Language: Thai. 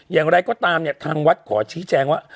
อย่างไรก็ตามทางวัชขอชี้แจงว่า